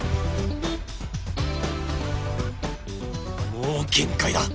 もう限界だ！